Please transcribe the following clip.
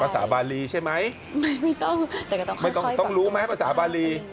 ภาษาบาลีใช่ไหมไม่ต้องต้องรู้ไหมภาษาบาลี